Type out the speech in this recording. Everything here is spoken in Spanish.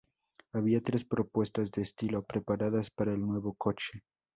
Había tres propuestas de estilo preparadas para el nuevo coche.